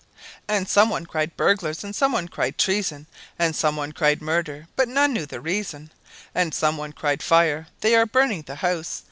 And some one cried "Burglars!" and some one cried "Treason!" And some one cried "Murder!" but none knew the reason; And some one cried "Fire! they are burning the house!"